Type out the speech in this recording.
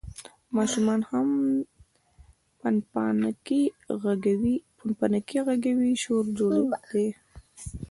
ماشومان هم پنپنانکي غږوي، شور جوړ دی.